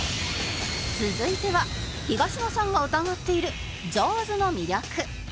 続いては東野さんが疑っているジョーズの魅力